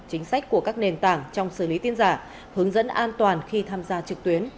chính sách của các nền tảng trong xử lý tin giả hướng dẫn an toàn khi tham gia trực tuyến